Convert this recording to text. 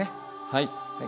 はい。